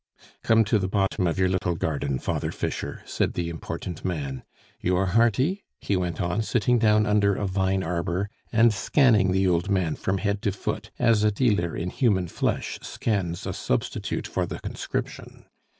"Come to the bottom of your little garden, Father Fischer," said the important man. "You are hearty?" he went on, sitting down under a vine arbor and scanning the old man from head to foot, as a dealer in human flesh scans a substitute for the conscription.